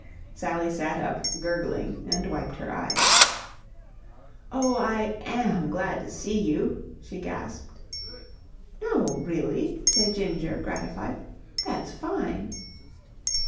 Sally sat up, gurgling, and wiped her eyes. "Oh, I am glad to see you," she gasped. "No, really?" said Ginger, gratified. "That's fine."